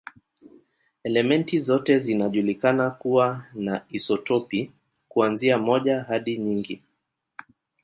Elementi zote zinajulikana kuwa na isotopi, kuanzia moja hadi nyingi.